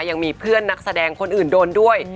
ยังมีเพื่อนนักแสดงคนอื่นโดนด้วย